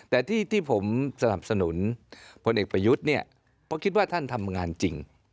แต่ที่ผมสนับสนุนพลเอกประยุทธ์เนี่ยเพราะคิดว่าท่านทำงานจริง